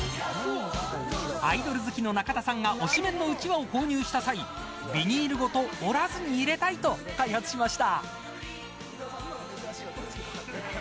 アイドル好きの中田さんが推しメンのうちわを購入した際ビニールごと折らずに入れたいと開発しました。